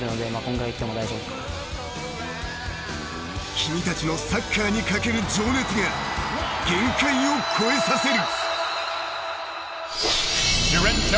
君たちのサッカーにかける情熱が限界を超えさせる。